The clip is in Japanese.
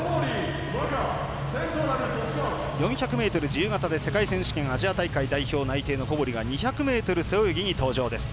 ４００ｍ自由形で世界選手権アジア大会代表内定の小堀が２００ｍ背泳ぎに登場です。